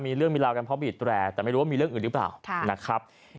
มีเรื่องมีราวกันเพราะบีดแร่แต่ไม่รู้ว่ามีเรื่องอื่นหรือเปล่านะครับ